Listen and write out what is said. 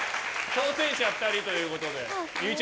挑戦者２人ということで。